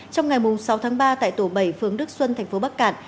trong ngày sáu tháng ba tại tổ bảy phường đức xuân thành phố bắc cản